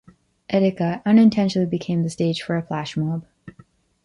Edeka unintentionally became the stage for a flash mob.